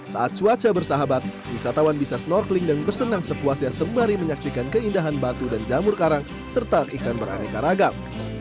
saat cuaca bersahabat wisatawan bisa snorkeling dan bersenang sepuasnya sembari menyaksikan keindahan batu dan jamur karang serta ikan beraneka ragam